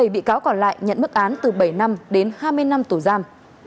bảy bị cáo còn lại nhận mức án từ bảy năm đến hai mươi năm tù giam